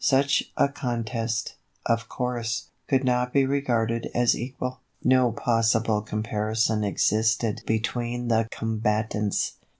Such a contest, of course, could not be regarded as equal. No possible comparison existed between the combatants.